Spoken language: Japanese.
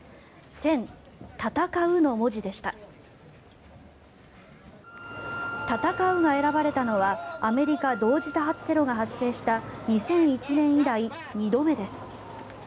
「戦」が選ばれたのはアメリカ同時多発テロが発生した２００１年以来２度目です。